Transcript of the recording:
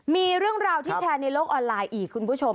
มีเรื่องราวที่แชร์ในโลกออนไลน์อีกคุณผู้ชม